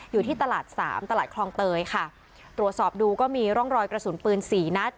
อยู่ที่ตลาดสามตลาดคลองเตยค่ะตรวจสอบดูก็มีร่องรอยกระสุนปืนสี่นัด